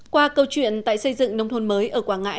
qua câu chuyện tại xây dựng nông thôn mới ở quảng ngãi